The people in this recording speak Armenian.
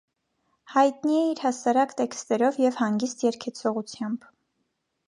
Հայտնի է իր հասարակ տեքստերով և հանգիստ երգեցողությամբ։